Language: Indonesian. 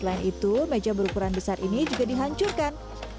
selain itu meja berukuran besar ini juga dihancurkan